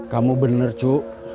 kamu bener cu